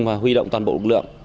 và huy động toàn bộ lực lượng